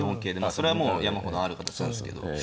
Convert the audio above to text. それはもう山ほどある形なんですけど。